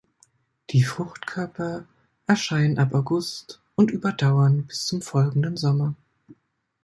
Die Fruchtkörper erscheinen ab August und überdauern bis zum folgenden Sommer.